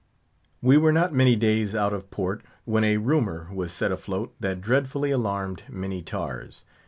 We were not many days out of port, when a rumour was set afloat that dreadfully alarmed many tars.